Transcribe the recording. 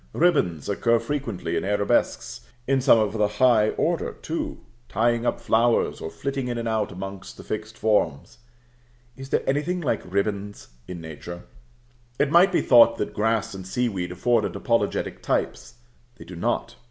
Ribands occur frequently in arabesques, in some of a high order, too, tying up flowers, or flitting in and out among the fixed forms. Is there anything like ribands in nature? It might be thought that grass and sea weed afforded apologetic types. They do not.